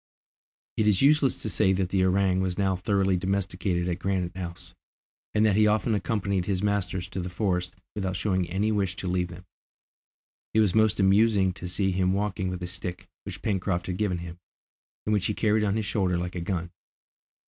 It is useless to say that the orang was now thoroughly domesticated at Granite House, and that he often accompanied his masters to the forest without showing any wish to leave them. It was most amusing to see him walking with a stick which Pencroft had given him, and which he carried on his shoulder like a gun.